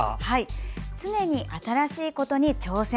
常に新しいことに挑戦。